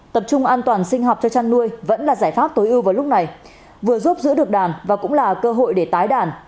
tập trung an toàn sinh học cho chăn nuôi vẫn là giải pháp tối ưu vào lúc này vừa giúp giữ được đàn và cũng là cơ hội để tái đàn